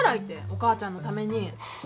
お母ちゃんのために。